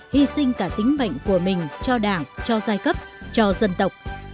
hy sinh cả tính mệnh của mình cho đảng cho giai cấp cho dân tộc